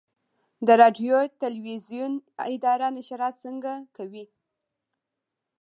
د راډیو تلویزیون اداره نشرات څنګه کوي؟